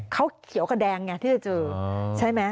เขาเขียวกระแดงไงที่จะเจอใช่ไหม